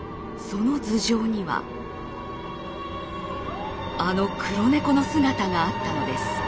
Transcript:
その頭上にはあの黒猫の姿があったのです。